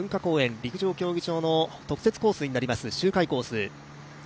陸上競技場の特設コースになります、周回コース。